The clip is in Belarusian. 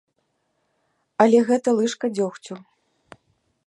Але гэта лыжка дзёгцю.